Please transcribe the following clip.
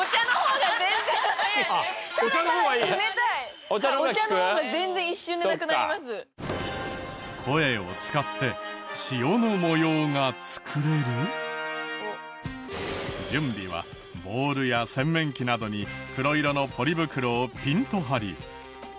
準備はボウルや洗面器などに黒色のポリ袋をピンと張り。